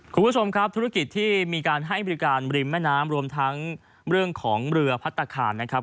คุณผู้ชมครับธุรกิจที่มีการให้บริการริมแม่น้ำรวมทั้งเรื่องของเรือพัฒนาคารนะครับ